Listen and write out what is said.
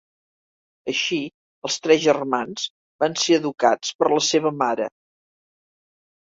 Així, els tres germans van ser educats per la seva mare.